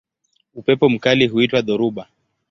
Upepo mkali huitwa dhoruba.